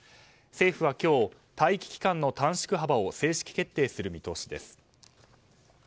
政府は今日、待機期間の短縮幅を正式決定する見通しです。